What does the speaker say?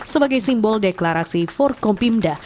sebagai simbol deklarasi empat kompimda